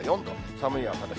寒い朝です。